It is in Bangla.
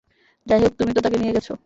যাইহোক, তুমি তো তাকে নিয়ে গেছ।